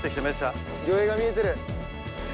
魚影が見えてる！